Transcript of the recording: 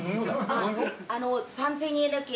３，０００円だけ。